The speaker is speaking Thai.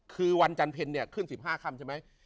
คือวันจันทร์เพล็นเนี่ยขึ้นสิบห้าค่ำใช่ไหม